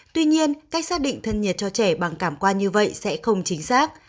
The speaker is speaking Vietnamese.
tuy nhiên cách xác định thân nhiệt cho trẻ bằng cảm quan như vậy sẽ không chính xác